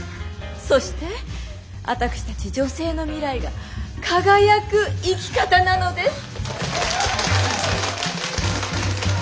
そして私たち女性の未来が輝く生き方なのです。